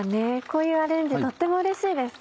こういうアレンジとってもうれしいです。